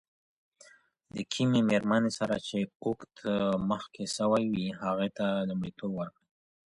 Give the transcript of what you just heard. د کومي ميرمني سره چي عقد مخکي سوی وي، هغې ته دي لومړيتوب ورکړي.